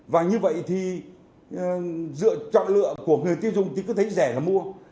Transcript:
và như vậy thì dựa chọn lựa của người tiêu dùng thì cứ thấy rẻ là mua